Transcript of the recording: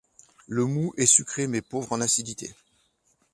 Le moût est sucré mais pauvre en acidité.